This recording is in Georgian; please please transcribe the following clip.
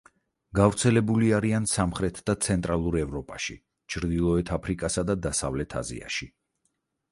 გავრცელებული არიან სამხრეთ და ცენტრალურ ევროპაში, ჩრდილოეთ აფრიკასა და დასავლთ აზიაში.